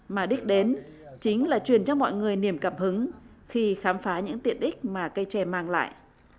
mà đích đến chính là truyền cho mọi người niềm cảm hứng khi khám phá những tiện ích mà cây tre mang lại